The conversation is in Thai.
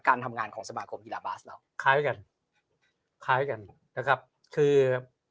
การทำงานของสมาคมกีฬาบาสเราคล้ายกันคล้ายกันนะครับคือ